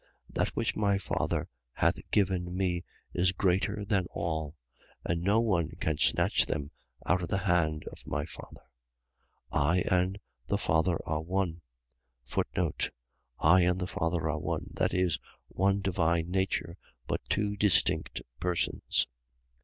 10:29. That which my Father hath given me is greater than all: and no one can snatch them out of the hand of my Father. 10:30. I and the Father are one. I and the Father are one. . .That is, one divine nature, but two distinct persons.